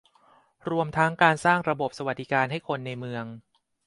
รวมทั้งการสร้างระบบสวัสสดิการให้คนในเมือง